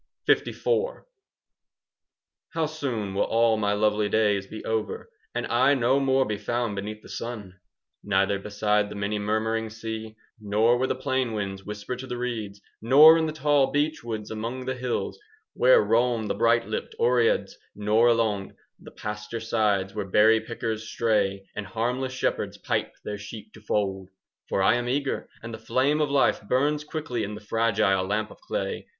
LIV How soon will all my lovely days be over, And I no more be found beneath the sun,— Neither beside the many murmuring sea, Nor where the plain winds whisper to the reeds, Nor in the tall beech woods among the hills 5 Where roam the bright lipped Oreads, nor along The pasture sides where berry pickers stray And harmless shepherds pipe their sheep to fold! For I am eager, and the flame of life Burns quickly in the fragile lamp of clay.